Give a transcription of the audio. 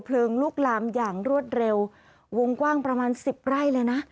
ลุกลามอย่างรวดเร็ววงกว้างประมาณสิบไร่เลยนะ